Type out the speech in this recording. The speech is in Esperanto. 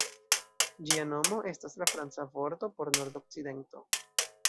Ĝia nomo estas la franca vorto por "nord-okcidento".